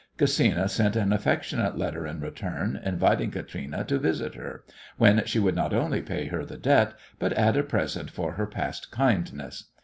Gesina sent an affectionate letter in return, inviting Katrine to visit her, when she would not only pay her the debt, but add a present for her past kindness.